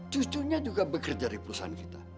cucunya juga bekerja di perusahaan kita